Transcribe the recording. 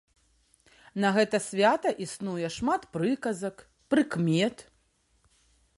На гэта свята існуе шмат прыказак, прыкмет.